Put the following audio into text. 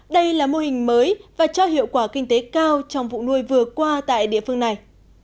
đây là mô hình mới và cho hiệu quả kinh tế cao trong vụ nuôi vừa qua tại địa phương này